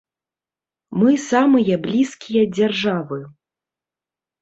Мы самыя блізкія дзяржавы.